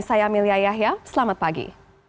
saya amelia yahya selamat pagi